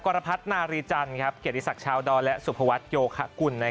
ก็กรพรรดินายรีจันร์เกียรติศักรณ์ชาวดอลและสุภวัษยโยคะกุล